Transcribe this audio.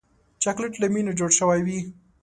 چاکلېټ له مینې جوړ شوی وي.